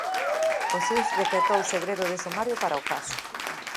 O xuíz decretou segredo de sumario para o caso.